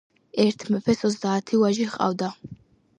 ერთ მეფეს ოცდაათი ვაჟი ჰყავდა.